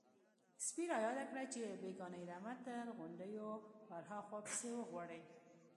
_سپي را ياده کړه چې بېګانۍ رمه تر غونډيو ورهاخوا پسې وغواړئ.